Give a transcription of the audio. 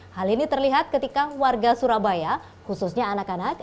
hal ini terlihat ketika warga surabaya khususnya anak anak